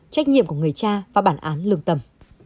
trách nhiệm của người cha và bản án lương tâm